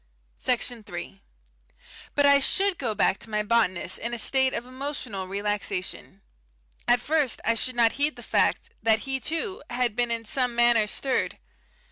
Section 3 But I should go back to my botanist in a state of emotional relaxation. At first I should not heed the fact that he, too, had been in some manner stirred.